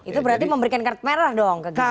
itu berarti memberikan kartu merah dong ke ganjar